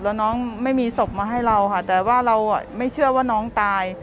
แล้วน้องไม่มีศพมาให้เราค่ะแต่ว่าเราไม่เชื่อว่าน้องตาย